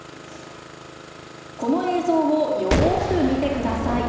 この映像をよく見てください。